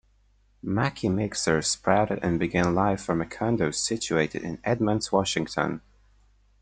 Mackie Mixers sprouted and began life from a condo situated in Edmonds, Washington.